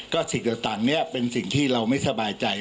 ก็สิ่งต่างนี้เป็นสิ่งที่เราไม่สบายใจ